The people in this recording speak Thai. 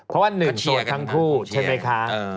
เพราะว่าหนึ่งโสดทั้งผู้ใช่ไหมคะ